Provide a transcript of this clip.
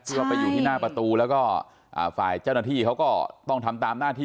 ว่าไปอยู่ที่หน้าประตูแล้วก็ฝ่ายเจ้าหน้าที่เขาก็ต้องทำตามหน้าที่